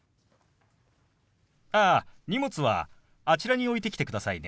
ああ荷物はあちらに置いてきてくださいね。